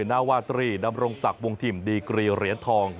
นาวาตรีดำรงศักดิ์วงถิ่นดีกรีเหรียญทอง